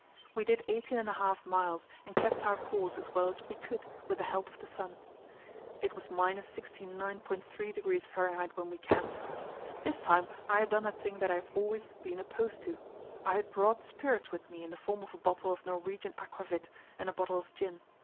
We did eighteen and a half miles, and kept our course as well as we could with the help of the sun. It was 69.3° F. when we camped. This time I had done a thing that I have always been opposed to: I had brought spirits with me in the form of a bottle of Norwegian aquavit and a bottle of gin.